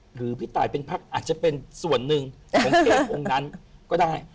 พี่ตายเป็นพักอาจจะเป็นส่วนหนึ่งของเทพองค์นั้นก็ได้